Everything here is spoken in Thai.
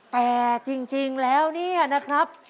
แต่จริงแล้วเนี่ยนะครับ